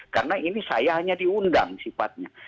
karena ini saya hanya diundang sifatnya